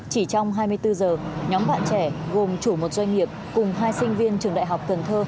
chỉ trong hai mươi bốn giờ nhóm bạn trẻ gồm chủ một doanh nghiệp cùng hai sinh viên trường đại học cần thơ